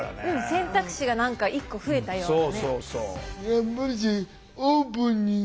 選択肢が何か１個増えたようなね。